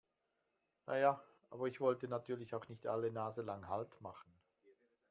Na ja, aber ich wollte natürlich auch nicht alle naselang Halt machen.